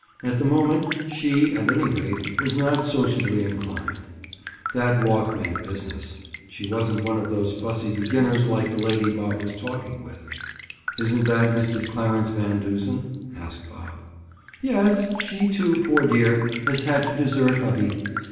At the moment, she, at any rate, was not sociably inclined. That walk meant business. She wasn't one of those fussy beginners like the lady Bob was talking with. "Isn't that Mrs. Clarence Van Duzen?" asked Bob. "Yes. She, too, poor dear, has had to desert hubby.